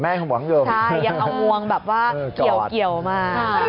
ใช่ยังเอามวงแบบว่าเกี่ยวมา